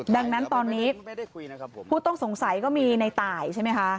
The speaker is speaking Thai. ดังนั้นตอนนี้ผู้ต้องสงสัยก็มีในตายใช่ไหมคะ